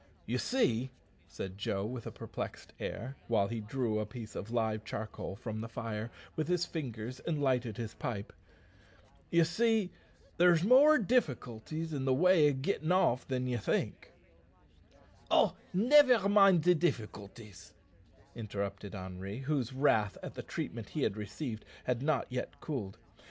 "Ye see," said Joe with a perplexed air, while he drew a piece of live charcoal from the fire with his fingers and lighted his pipe "ye see, there's more difficulties in the way o' gettin' off than ye think " "Oh, nivare mind de difficulties," interrupted Henri, whose wrath at the treatment he had received had not yet cooled down.